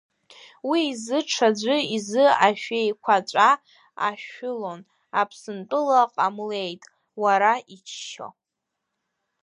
Уи изы, ҽаӡәы изы ашәеиқәаҵәа ашәылон, Аԥсынтәыла ҟамлеит, уара, иччо!